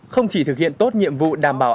không chỉ thực hiện tốt nhiệm vụ đảm bảo